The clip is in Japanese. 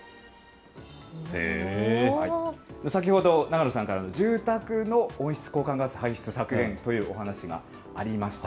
先ほど、永野さんから住宅の温室効果ガス排出削減というお話がありました。